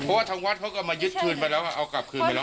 เพราะว่าทางวัดเขาก็มายึดคืนไปแล้วเอากลับคืนไปแล้ว